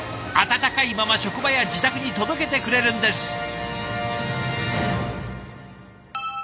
温かいまま職場や自宅に届けてくれるんです。